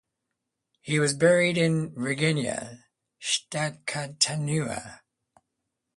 He was buried in Regina, Saskatchewan.